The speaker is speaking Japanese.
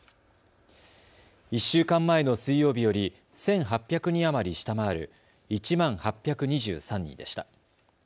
１週間前の水曜日より１８００人余り下回る１万８２３人でした。